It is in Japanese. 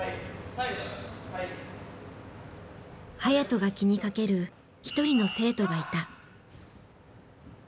颯人が気にかける一人の生徒がいた。